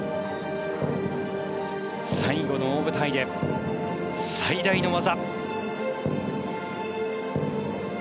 最後の大舞台で最大の技。